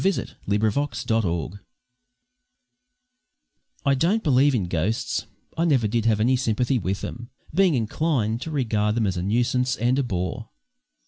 WE CALLED HIM "ALLY" FOR SHORT I don't believe in ghosts; I never did have any sympathy with them, being inclined to regard them as a nuisance and a bore.